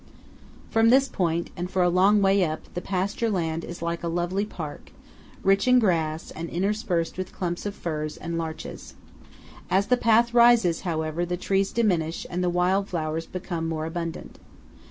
From this point, and for a long way up, the pasture land is like a lovely park, rich in grass, and interspersed with clumps of firs and larches. As the path rises, however, the trees diminish and the wild flowers become more abundant.